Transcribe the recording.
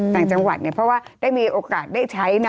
ต่างจังหวัดเนี่ยเพราะว่าได้มีโอกาสได้ใช้นะ